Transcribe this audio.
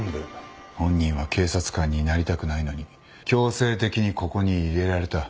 本人は警察官になりたくないのに強制的にここに入れられた。